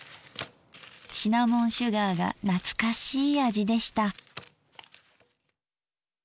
シナモンシュガーが懐かしい味でした。